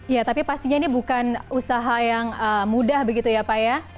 ya tapi pastinya ini bukan usaha yang mudah begitu ya pak ya